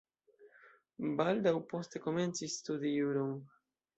Baldaŭ poste komencis studi juron.